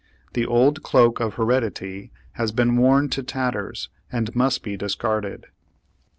The old cloak of heredity has been worn to tatters and must be discarded.